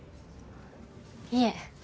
いえ。